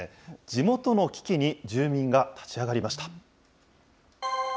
地元の危機に住民が立ち上がりました。